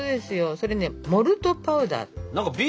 それねモルトパウダー。